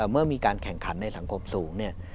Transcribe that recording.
เมื่อมีการแข่งขันในสังคมสูงเนี่ย